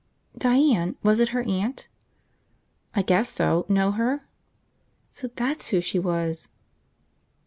"Diane? Was it her aunt?" "I guess so. Know her?" "So that's who she was!"